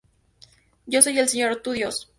Yo soy el Señor tu Dios.